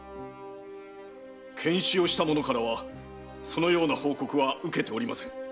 検死をした者からはそのような報告は受けておりません。